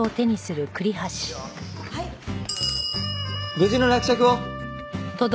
無事の落着を。